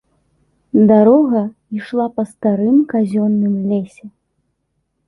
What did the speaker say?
Дарога ішла па старым казённым лесе.